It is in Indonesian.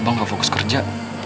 abang tidak fokus kerja